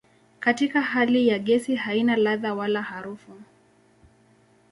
Katika hali ya gesi haina ladha wala harufu.